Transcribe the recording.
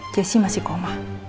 jess masih koma